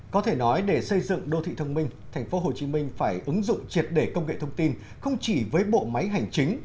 có thể nói để xây dựng đô thị thông minh tp hcm phải ứng dụng triệt để công nghệ thông tin không chỉ với bộ máy hành chính